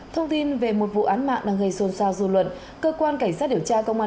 thông tin về một vụ án mạng đang gây xôn xao dư luận cơ quan cảnh sát điều tra công an